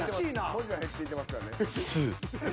文字は減っていってますからね。